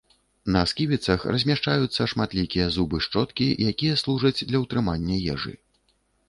На сківіцах размяшчаюцца шматлікія зубы-шчоткі, якія служаць для ўтрымання ежы.